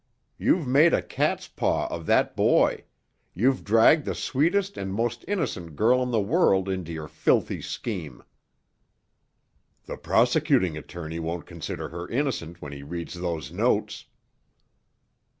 You've made a cat's paw of that boy; you've dragged the sweetest and most innocent girl in the world into your filthy scheme." "The prosecuting attorney won't consider her innocent when he reads those notes."